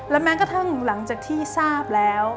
แม้กระทั่งหลังจากที่ทราบแล้ว